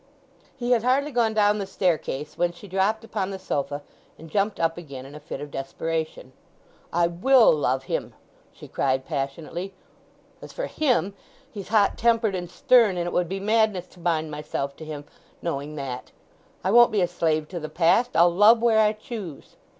He had hardly gone down the staircase when she dropped upon the sofa and jumped up again in a fit of desperation. "I will love him!" she cried passionately; "as for him—he's hot tempered and stern, and it would be madness to bind myself to him knowing that. I won't be a slave to the past—I'll love where I choose!"